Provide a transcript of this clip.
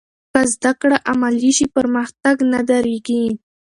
که زده کړه عملي شي، پرمختګ نه درېږي.